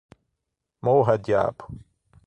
Morra, diabo!